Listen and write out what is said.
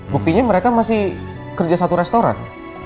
buktinya mereka masih kerja satu restoran